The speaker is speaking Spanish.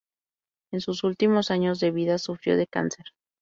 En sus últimos años de vida sufrió de cáncer.